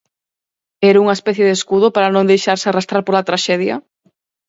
Era unha especie de escudo para non deixarse arrastrar pola traxedia?